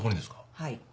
はい。